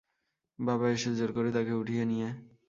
বাবা এসে জোর করে তাকে উঠিয়ে নিয়ে।